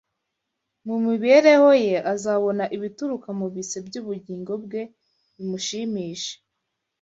mu mibereho ye, “azabona ibituruka mu bise by’ubugingo bwe bimushimishe